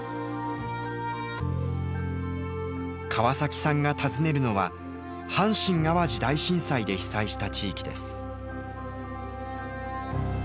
川崎さんが訪ねるのは阪神・淡路大震災で被災した地域です。